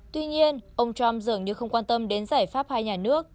tuy nhiên ông trump dường như không quan tâm đến giải pháp hai nhà nước